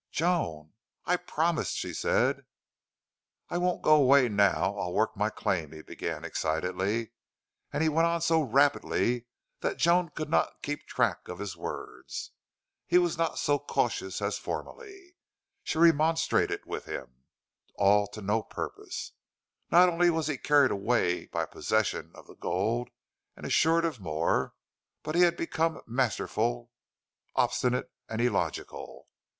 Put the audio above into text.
"Joan!" "I've promised," she said. "I won't go away now. I'll work my claim," he began, excitedly. And he went on so rapidly that Joan could not keep track of his words. He was not so cautious as formerly. She remonstrated with him, all to no purpose. Not only was he carried away by possession of gold and assurance of more, but he had become masterful, obstinate, and illogical.